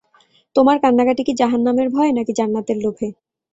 তোমার কান্নাকাটি কি জাহান্নামের ভয়ে, নাকি জান্নাতের লোভে?